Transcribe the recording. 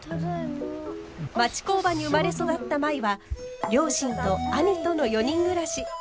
町工場に生まれ育った舞は両親と兄との４人暮らし。